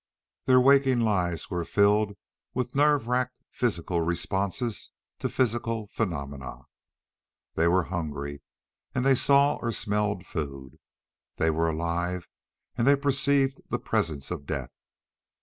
Their waking lives were filled with nerve racked physical responses to physical phenomena. They were hungry and they saw or smelled food: they were alive and they perceived the presence of death.